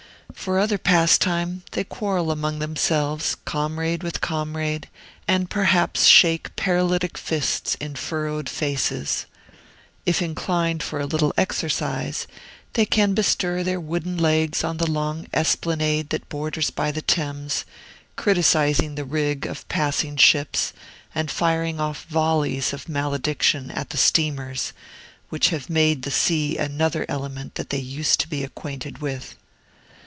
For other pastime, they quarrel among themselves, comrade with comrade, and perhaps shake paralytic fists in furrowed faces. If inclined for a little exercise, they can bestir their wooden legs on the long esplanade that borders by the Thames, criticising the rig of passing ships, and firing off volleys of malediction at the steamers, which have made the sea another element than that they used to be acquainted with.